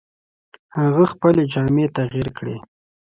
هغه خپلې جامې تغیر کړې.